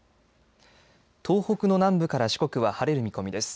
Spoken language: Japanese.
東北の南部から四国は晴れる見込みです。